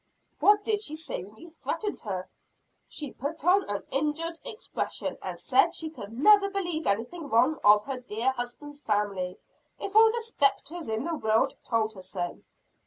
"What did she say when you threatened her?" "She put on an injured expression; and said she could never believe anything wrong of her dear husband's family, if all the 'spectres' in the world told her so."